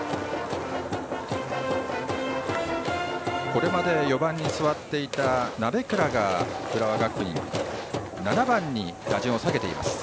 これまで４番に座っていた鍋倉が７番に打順を下げています。